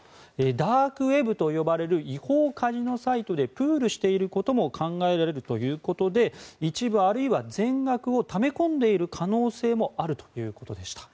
ダークウェブと呼ばれる違法カジノサイトでプールしていることも考えられるということで一部あるいは全額をため込んでいる可能性もあるということでした。